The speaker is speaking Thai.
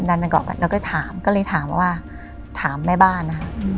ดันดันกันก่อนแบบแล้วก็ถามก็เลยถามว่าถามแม่บ้านอ่ะอืม